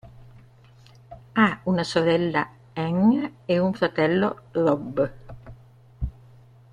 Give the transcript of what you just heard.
Ha una sorella Anne e un fratello Rob.